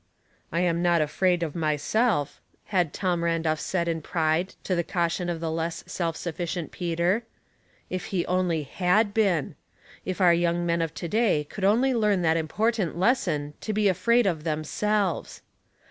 '' I am not afraid of myself^'^ had Tom Randolph said in pride to the earnest caution of the less self sufficient Peter. If he only had been ! If our young men of to day could only learn that important lesson to be afraid of themselves.